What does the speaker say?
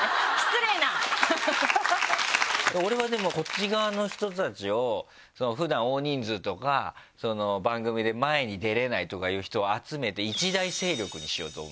俺はでもこっち側の人たちを普段大人数とか番組で前に出られないとかいう人を集めて一大勢力にしようと思ってるからね。